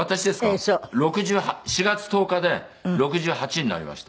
４月１０日で６８になりました。